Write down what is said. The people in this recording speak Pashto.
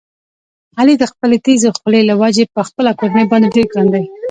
علي د خپلې تېزې خولې له وجې په خپله کورنۍ باندې ډېر ګران دی.